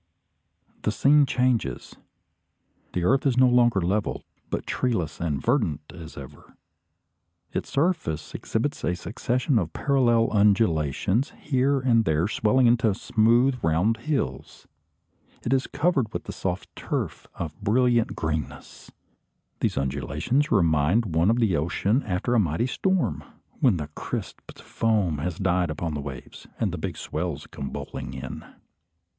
The scene changes. The earth is no longer level, but treeless and verdant as ever. Its surface exhibits a succession of parallel undulations, here and there swelling into smooth round hills. It is covered with a soft turf of brilliant greenness. These undulations remind one of the ocean after a mighty storm, when the crisped foam has died upon the waves, and the big swell comes bowling in.